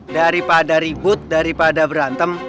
daripada ribut daripada berantem